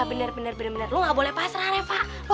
iya bener bener lo gak boleh pasrah reva lo harus ngawan